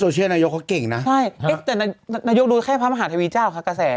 ใช่แต่นายกดูข้างแผ่นมาหาทวีเจ้าค่ะกระแส